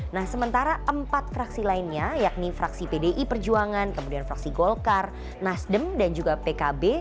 nah sementara empat fraksi lainnya yakni fraksi pdi perjuangan kemudian fraksi golkar nasdem dan juga pkb